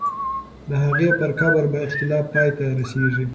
د هغې پر قبر به اختلاف پای ته رسېږي.